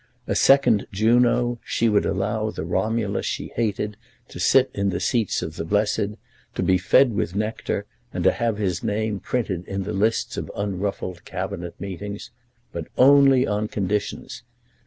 A second Juno, she would allow the Romulus she hated to sit in the seats of the blessed, to be fed with nectar, and to have his name printed in the lists of unruffled Cabinet meetings, but only on conditions.